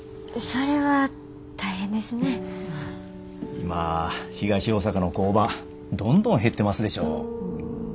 今東大阪の工場どんどん減ってますでしょう。